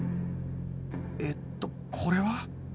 えっとこれは？